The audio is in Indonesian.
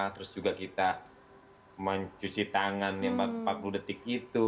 terus juga kita mencuci tangan empat puluh detik itu